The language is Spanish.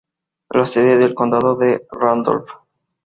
La sede del condado es Randolph.